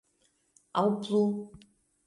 Aŭ plu.